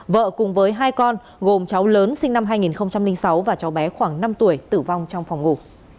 vợ cùng với hai con gồm cháu lớn sinh năm hai nghìn sáu và cháu bé khoảng năm tuổi tử vong trong phòng ngủ